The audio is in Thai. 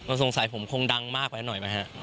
ท่องสงสัยผมคงดังมากเมื่อหน่อยมั้ยฮะ